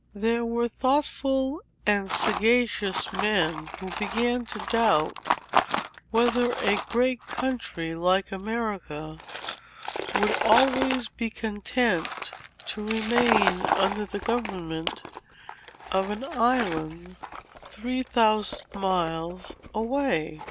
There were thoughtful and sagacious men, who began to doubt, whether a great country like America, would always be content to remain under the government of an island three thousand miles away.